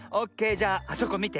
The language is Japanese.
じゃああそこみて。